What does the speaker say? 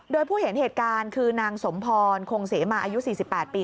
โดยผู้เห็นเหตุการณ์คือนางสมพรคงเสมาอายุ๔๘ปี